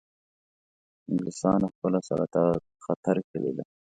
انګلیسانو خپله سلطه په خطر کې لیده.